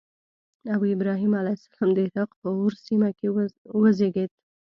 ابراهیم علیه السلام د عراق په أور سیمه کې وزیږېد.